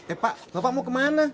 eh pak bapak mau ke mana